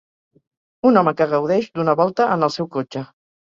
Un home que gaudeix d'una volta en el seu cotxe.